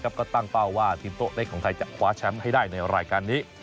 ก็ตั้งเป้าว่าทีมโต๊ะเล็กของไทยจะคว้าแชมป์ให้ได้ในรายการนี้